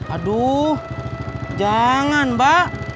aduh jangan mbak